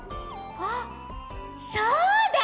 あっそうだ。